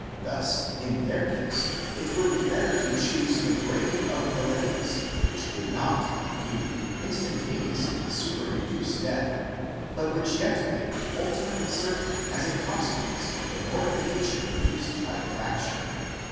Thus. in their case it would be better to choose the breaking of the legs, which would not, indeed, instantaneously superinduce death, but which yet made it ultimately certain as a consequence of the mortification produced by the fracture.